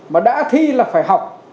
mà đã thi là phải học